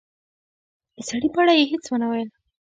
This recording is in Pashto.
د سړي په اړه يې څه وويل